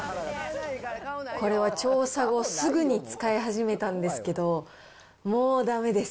これは調査後すぐに使い始めたんですけど、もうだめです。